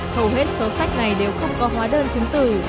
hầu hết số sách này đều không có hóa đơn chứng từ